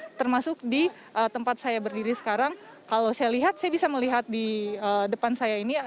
nah termasuk di tempat saya berdiri sekarang kalau saya lihat saya bisa melihat di depan saya ini